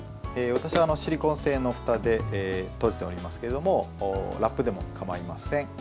私は、シリコン製のふたで閉じておりますけどラップでも構いません。